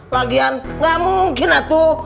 lagian nggak mungkin atuh